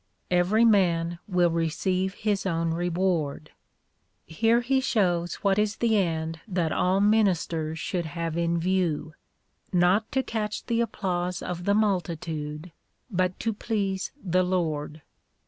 Every man will receive his own reward. Here he shows what is the end that all ministers sliould have in view — not to catch the applause of the multitude, but to please the Lord.